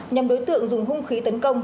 nhằm đối tượng dùng hung khí tấn công